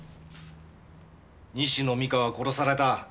西野実花は殺された。